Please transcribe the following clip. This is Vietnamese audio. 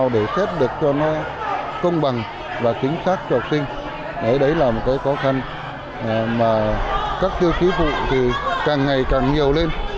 để xét được cho nó công bằng và chính xác cho học sinh đấy là một cái khó khăn mà các tiêu chí phụ thì càng ngày càng nhiều lên